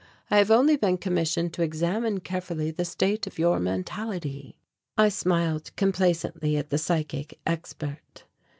I have only been commissioned to examine carefully the state of your mentality." I smiled complacently at the psychic expert.